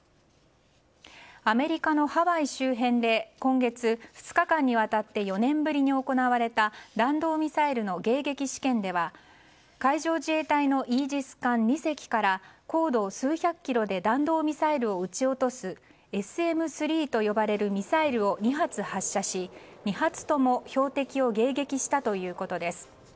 アメリカのハワイ周辺で今月２日間にわたって４年ぶりに行われた弾道ミサイルの迎撃試験では海上自衛隊のイージス艦２隻から高度数百キロで弾道ミサイルを撃ち落とすＳＭ３と呼ばれるミサイルを２発発射し２発とも標的を迎撃したということです。